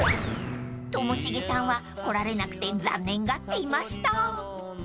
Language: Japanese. ［ともしげさんは来られなくて残念がっていました］